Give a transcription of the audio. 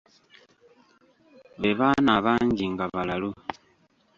Be baana abangi nga balalu.